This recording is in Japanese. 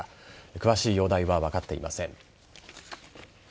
詳しい容態は分かっていません。